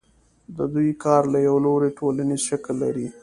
د دوی کار له یوه لوري ټولنیز شکل لري